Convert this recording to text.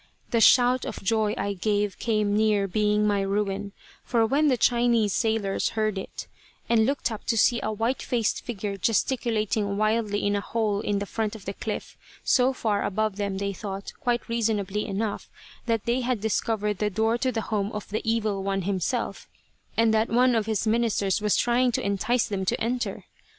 The shout of joy I gave came near being my ruin, for when the Chinese sailors heard it, and looked up to see a white faced figure gesticulating wildly in a hole in the front of the cliff, so far above them they thought, quite reasonably enough, that they had discovered the door to the home of the evil one himself, and that one of his ministers was trying to entice them to enter.